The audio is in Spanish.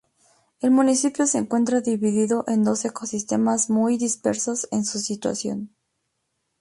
El municipio se encuentra dividido en dos ecosistemas muy dispersos en su situación.